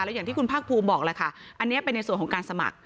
อย่างที่คุณภาคภูมิบอกแหละค่ะอันนี้เป็นในส่วนของการสมัคร